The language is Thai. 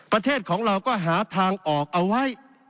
ประเทศของเราก็หาทางออกเอาไว้